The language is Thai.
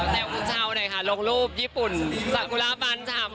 แต่คุณเช้าหน่อยค่ะลงรูปญี่ปุ่นสากุระบานชำ